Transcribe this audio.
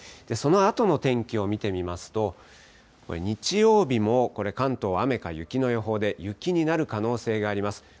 そのあとの天気を見てみますと、日曜日もこれ、関東、雨か雪の予報で、雪になる可能性があります。